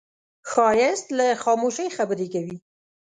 ښایست له خاموشۍ خبرې کوي